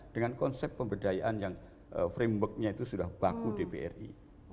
dengan konsep pemberdayaan yang frameworknya itu sudah baku di bri